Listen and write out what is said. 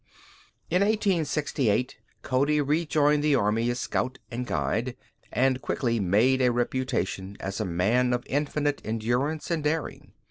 In 1868 Cody rejoined the army as scout and guide, and quickly made a reputation as a man of infinite endurance and daring.